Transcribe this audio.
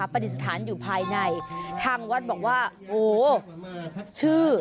ปฏิสถานอยู่ภายในจริงทางวัดบอกว่าโอ๊ะ